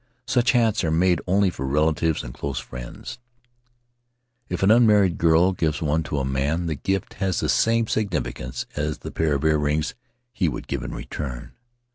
Such hats are made only for relatives and close friends; if an unmarried girl gives one to a man the gift has the same significance as the pair of ear rings he would give in return.